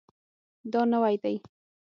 دا نوی دی